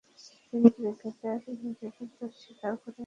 তিন ক্রিকেটারই নিজেদের দোষ স্বীকার করে নেওয়ায় কোনো শুনানির প্রয়োজন পড়েনি।